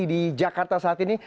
di jakarta saat ini